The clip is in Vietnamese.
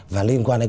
và liên quan đến